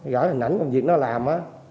gửi hình ảnh công việc nó làm